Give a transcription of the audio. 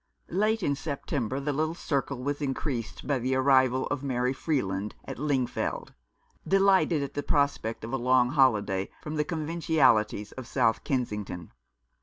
Late in September the little circle was increased by the arrival of Mary Freeland at Lingfield, delighted at the prospect of a long holiday from the conventionalities of South Kensington.